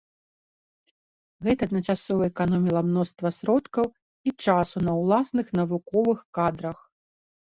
Гэта адначасова эканоміла мноства сродкаў і часу на ўласных навуковых кадрах.